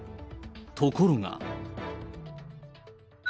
ところが。